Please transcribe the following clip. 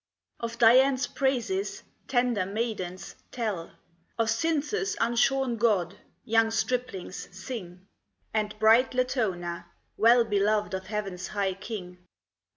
Of Dian's praises, tender maidens, tell; Of Cynthus' unshorn god, young striplings, sing; And bright Latona, well Beloved of Heaven's high King.